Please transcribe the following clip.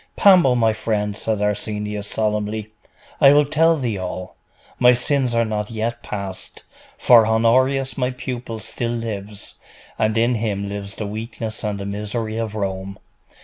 'Pambo, my friend,' said Arsenius solemnly, 'I will tell thee all. My sins are not yet past; for Honorius, my pupil, still lives, and in him lives the weakness and the misery of Rome.